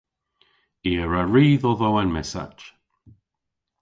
I a wra ri dhodho an messach.